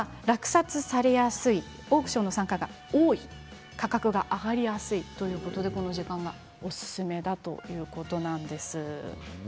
落札されやすいオークションの参加が多い価格が上がりやすいということでこの時間がおすすめということなんです。